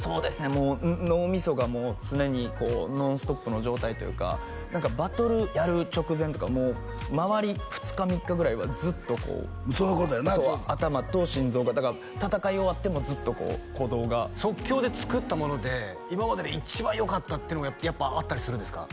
もう脳みそがもう常にこうノンストップの状態というか何かバトルやる直前とかもう周り２日３日ぐらいはずっとこう頭と心臓がだから戦い終わってもずっとこう鼓動が即興で作ったもので今までで一番よかったっていうのがやっぱあったりするんですか？